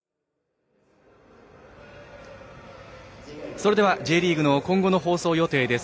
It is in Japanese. それではＪリーグの今後の放送予定です。